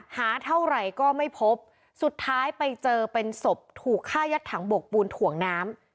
หาเท่าไหร่ก็ไม่พบสุดท้ายไปเจอเป็นศพถูกฆ่ายัดถังบกปูนถ่วงน้ำ